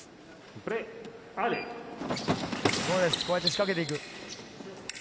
こうやって仕掛けていく。